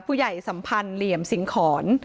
ผู้ใหญ่สัมพันธ์เหลี่ยมสิงขร